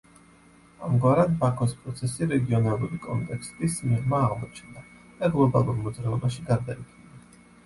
ამგვარად, „ბაქოს პროცესი“ რეგიონალური კონტექსტის მიღმა აღმოჩნდა და გლობალურ მოძრაობაში გარდაიქმნა.